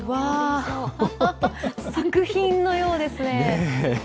作品のようですね。